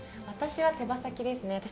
私は手羽先ですね。